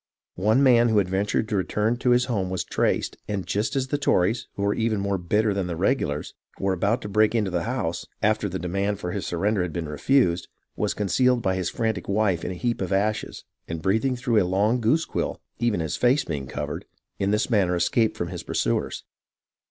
One man who had ventured to return to his home was traced, and, just as the Tories, who were even more bitter than the regulars, were about to break into the house, after the demand for his surrender had been refused, was concealed by his frantic wife in a heap of ashes, and breathing through a long goose quill, even his face being covered, in this manner escaped from his pursuers.